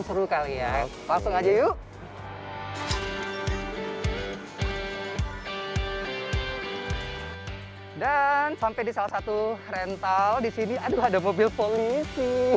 seru kali ya langsung aja yuk dan sampai di salah satu rental disini aduh ada mobil polisi